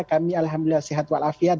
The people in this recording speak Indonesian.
kami alhamdulillah sehat walafiat